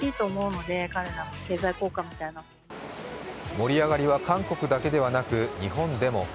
盛り上がりは韓国だけではなく日本でも。